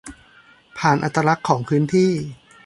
ผ่านอัตลักษณ์ของพื้นที่